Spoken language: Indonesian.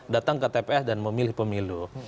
datang ke tps dan memilih pemilu